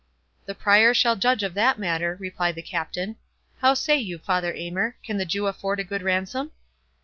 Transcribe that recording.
"The Prior shall judge of that matter," replied the Captain.—"How say you, Father Aymer? Can the Jew afford a good ransom?"